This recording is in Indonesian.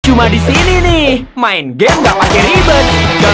cuma disini nih main game gak pake ribet